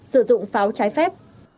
sử dụng pháo trái phép